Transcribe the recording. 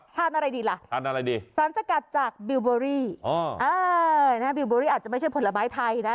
ถ้านอะไรดีล่ะสารสกัดจากบิลบอรี่อาจจะไม่ใช่ผลไม้ไทยนะ